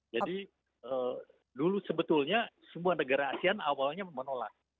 jadi dulu sebetulnya semua negara asean awalnya menolak